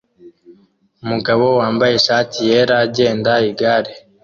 Umugabo wambaye ishati yera agenda igare